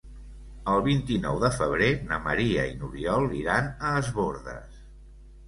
El vint-i-nou de febrer na Maria i n'Oriol iran a Es Bòrdes.